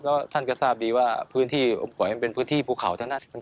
แล้วท่านก็ทราบดีว่าพื้นที่ผมปล่อยมันเป็นพื้นที่ภูเขาทั้งนั้น